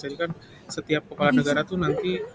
jadi kan setiap kepala negara tuh nanti